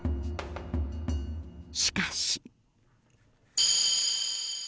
しかし。